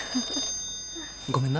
☎ごめんな。